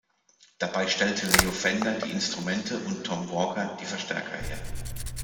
Dabei stellte Leo Fender die Instrumente und Tom Walker die Verstärker her.